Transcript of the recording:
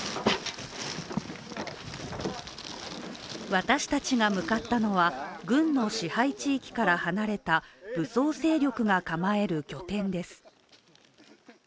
私たちが向かったのは軍の支配地域から離れた武装勢力が構える拠点です。